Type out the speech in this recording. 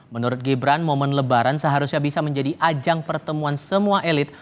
menurut gibran momen lebaran seharusnya bisa menjadi ajang pertemuan semua elit